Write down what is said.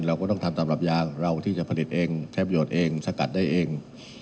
เราก็ต้องทำตามรับยาเราที่จะผลิตเองใช้ประโยชน์เองสกัดได้เอง